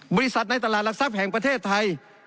บริษัทในตลาดหลักทรัพย์แห่งประเทศไทย